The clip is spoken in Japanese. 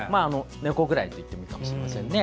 猫くらいと言ってもいいかもしれません。